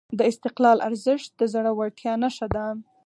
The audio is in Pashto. د استقلال ارزښت د زړورتیا نښه ده.